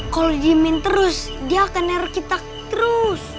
kalau diimin terus dia akan neru kita terus